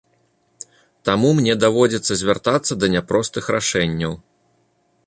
Таму мне даводзіцца звяртацца да няпростых рашэнняў.